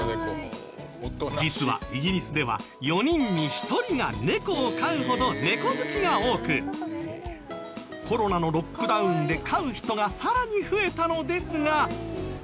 実はイギリスでは４人に１人が猫を飼うほど猫好きが多くコロナのロックダウンで飼う人がさらに増えたのですが。